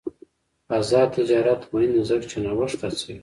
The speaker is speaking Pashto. آزاد تجارت مهم دی ځکه چې نوښت هڅوي.